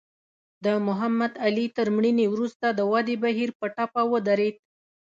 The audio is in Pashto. د محمد علي تر مړینې وروسته د ودې بهیر په ټپه ودرېد.